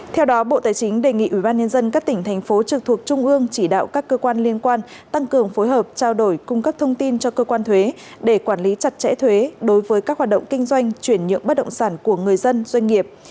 theo đó bộ tài chính đề nghị ubnd các tỉnh thành phố trực thuộc trung ương chỉ đạo các cơ quan liên quan tăng cường phối hợp trao đổi cung cấp thông tin cho cơ quan thuế để quản lý chặt chẽ thuế đối với các hoạt động kinh doanh chuyển nhượng bất động sản của người dân doanh nghiệp